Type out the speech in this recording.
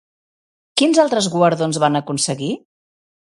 Quins altres guardons van aconseguir?